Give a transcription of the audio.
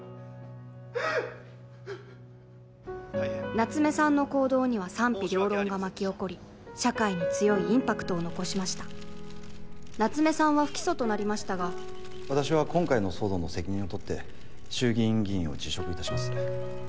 夏目さんの行動には賛否両論が巻き起こり社会に強いインパクトを残しました夏目さんは不起訴となりましたが私は今回の騒動の責任を取って衆議院議員を辞職いたします。